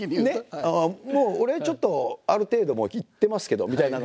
「俺ちょっとある程度いってますけど」みたいなのが。